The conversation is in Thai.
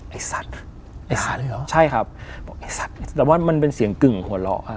ไอสัตว์ไอสัตว์ใช่ครับบอกไอสัตว์แต่ว่ามันเป็นเสียงกึ่งหัวเลาะอ่ะ